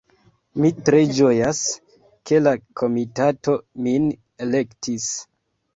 Mi tre ĝojas, ke la komitato min elektis.